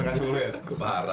setengah sepuluh ya